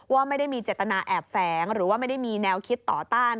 ว่าไม่ได้มีเจตนาแอบแฝงหรือว่าไม่ได้มีแนวคิดต่อต้าน